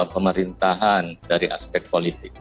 pemerintahan dari aspek politik